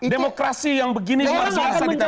demokrasi yang begini harus selesai diperlukan